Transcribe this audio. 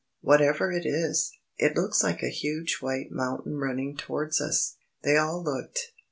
Whatever is it? It looks like a huge white mountain running towards us." They all looked.